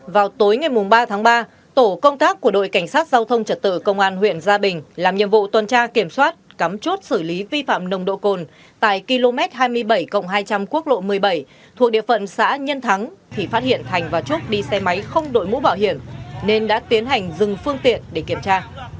vào tối ngày ba tháng ba tổ công tác của đội cảnh sát giao thông trật tự công an huyện gia bình làm nhiệm vụ tuần tra kiểm soát cắm chốt xử lý vi phạm nồng độ cồn tại km hai mươi bảy hai trăm linh quốc lộ một mươi bảy thuộc địa phận xã nhân thắng thì phát hiện thành và trúc đi xe máy không đội mũ bảo hiểm nên đã tiến hành dừng phương tiện để kiểm tra